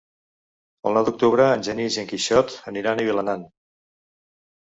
El nou d'octubre en Genís i en Quixot aniran a Vilanant.